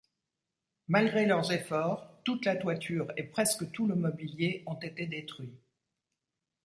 Malgré leurs efforts, toute la toiture et presque tout le mobilier ont été détruits.